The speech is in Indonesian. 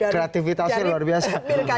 kreativitasnya luar biasa